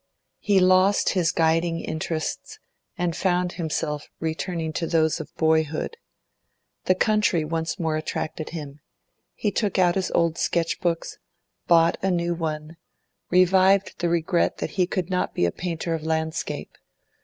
He lost his guiding interests, and found himself returning to those of boyhood. The country once more attracted him; he took out his old sketch books, bought a new one, revived the regret that he could not be a painter of landscape.